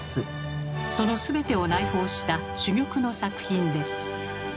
その全てを内包した珠玉の作品です。